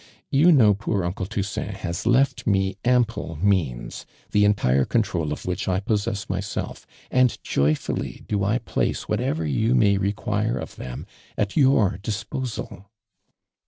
You know poor uncle Tons saint has left me ample means, the entire control of which I possess myself, and Joyfully do 1 place whatever you may require of them at your disposal."'